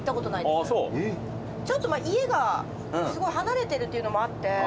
ちょっと家がすごい離れてるっていうのもあって。